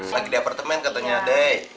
lagi di apartemen katanya deh